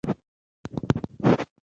دا لار د بشري تجربې برخه ګرځي.